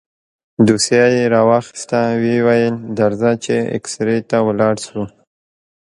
دوسيه يې راواخيسته ويې ويل درځه چې اكسرې ته ولاړ شو.